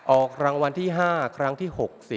ออกรางวัลที่๕ครั้งที่๖๐